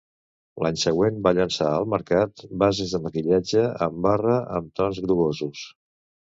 L'any següent va llançar al mercat bases de maquillatge en barra amb tons grogosos.